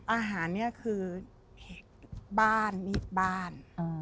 อาหารเนี่ยคือบ้านมีดบ้าน